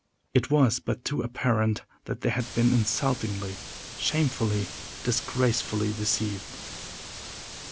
It was but too apparent that they had been insultingly, shamefully, disgracefully deceived.